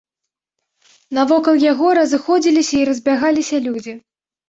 Навокал яго разыходзіліся і разбягаліся людзі.